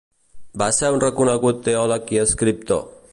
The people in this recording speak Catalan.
Va ser un reconegut teòleg i escriptor.